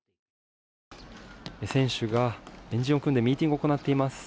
選手が円陣を組んでミーティングを行っています。